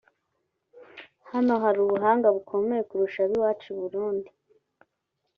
Hano hari ubuhanga bukomeye kurusha ab’iwacu i Burundi